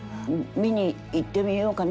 見に行ってみようかな。